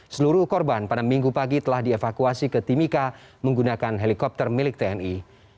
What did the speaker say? seluruh korban pada minggu pagi telah dievakuasi ke timika menggunakan helikopter milik tni